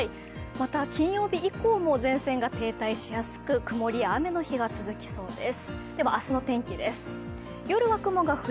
また、金曜日以降も前線が停滞しやすく、曇りや雨の日が続きそうです。